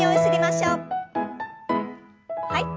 はい。